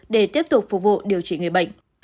để tiếp tục phục vụ điều trị người bệnh